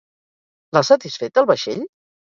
L'ha satisfet el vaixell?